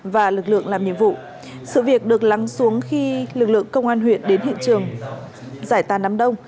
và lực lượng làm nhiệm vụ sự việc được lắng xuống khi lực lượng công an huyện đến hiện trường giải tàn đám đông